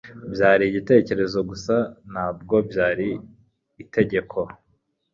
Byari igitekerezo gusa, ntabwo byari itegeko.